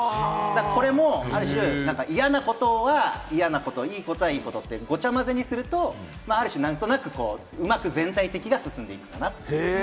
これもある種、嫌なことは嫌なこと、いいことはいいことって、ごちゃまぜにすると、ある種何となく、うまく全体的に進んでいくかなって。